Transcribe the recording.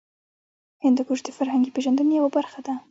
هندوکش د فرهنګي پیژندنې یوه برخه ده.